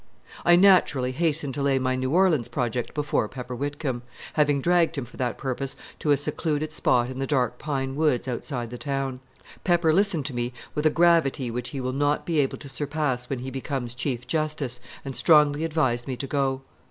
I naturally hastened to lay my New Orleans project before Pepper Whitcomb, having dragged him for that purpose to a secluded spot in the dark pine woods outside the town. Pepper listened to me with a gravity which he will not be able to surpass when he becomes Chief Justice, and strongly advised me to go.